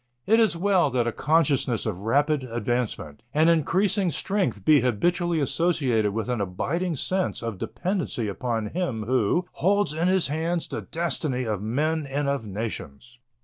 It is well that a consciousness of rapid advancement and increasing strength be habitually associated with an abiding sense of dependence upon Him who holds in His hands the destiny of men and of nations.